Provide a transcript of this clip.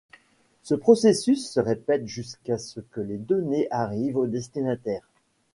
Ce processus se répète jusqu'à ce que les données arrivent au destinataire.